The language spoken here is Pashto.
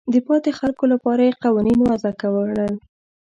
د پاتې خلکو لپاره یې قوانین وضع کړل.